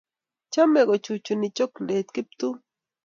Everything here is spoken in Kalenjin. Chamei kochuchuni chokolet Kiptum.